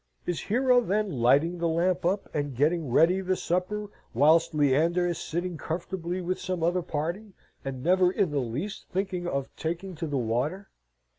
Is Hero then lighting the lamp up, and getting ready the supper, whilst Leander is sitting comfortably with some other party, and never in the least thinking of taking to the water?